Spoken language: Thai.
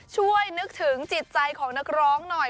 ช่วยนึกถึงจิตใจของนักร้องหน่อย